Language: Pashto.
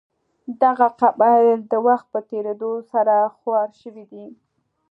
دغه قبایل د وخت په تېرېدو سره خواره شوي دي.